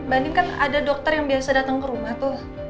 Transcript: banding kan ada dokter yang biasa datang ke rumah tuh